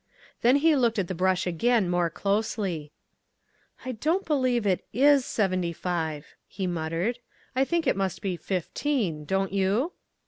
Then he looked at the brush again, more closely. "I don't believe it IS seventy five," he muttered, "I think it must be fifteen, don't you?"